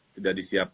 tidak disiapkan dulu